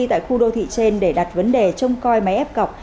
tại khu đô thị trên để đặt vấn đề trông coi máy ép cọc